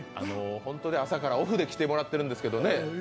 ホント朝からオフで来てもらってるんですけど。